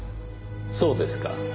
そうですか。